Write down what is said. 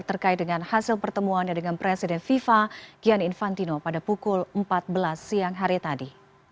terkait dengan hasil pertemuannya dengan presiden fifa gianni infantino pada pukul empat belas siang hari tadi